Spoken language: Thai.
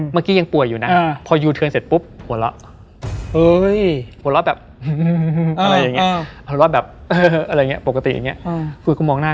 เมื่อกี้ยังป่วยอยู่นะพอยูเทิร์นเสร็จปุ๊บหัวเราะ